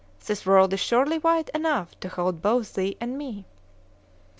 This world is surely wide enough to hold both thee and me."